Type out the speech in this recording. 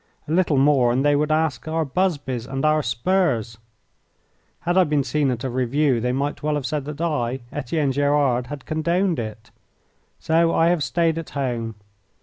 A little more, and they would ask our busbies and our spurs! Had I been seen at a review they might well have said that I, Etienne Gerard, had condoned it. So I have stayed at home.